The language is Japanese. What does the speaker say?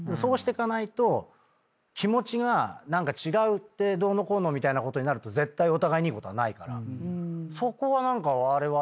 気持ちが違うってどうのこうのみたいなことになると絶対お互いいいことはないからそこは何かわれわれは。